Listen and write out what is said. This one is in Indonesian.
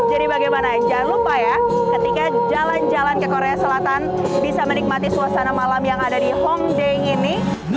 jadi bagaimana jangan lupa ya ketika jalan jalan ke korea selatan bisa menikmati suasana malam yang ada di hongdae ini